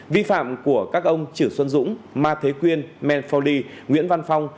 vi phạm của các ông chỉu xuân dũng ma thế quyên man foley nguyễn văn phong